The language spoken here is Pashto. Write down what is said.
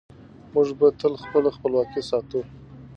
موږ به تل خپله خپلواکي ساتو.